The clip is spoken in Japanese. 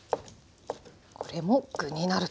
これも具になるという。